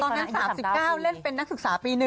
ตอนนั้น๓๙เล่นเป็นนักศึกษาปี๑